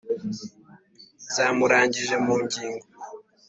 zamurangije mu ngingo